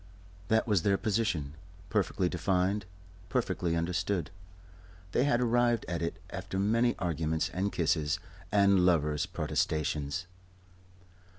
That was their position, perfectly defined, perfectly understood. They had arrived at it after many arguments and kisses and lovers' protestations.